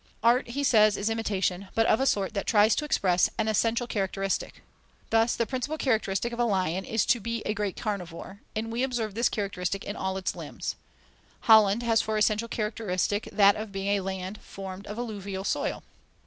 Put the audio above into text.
Art, he says, is imitation, but of a sort that tries to express an essential characteristic. Thus the principal characteristic of a lion is to be "a great carnivore," and we observe this characteristic in all its limbs. Holland has for essential characteristic that of being a land formed of alluvial soil.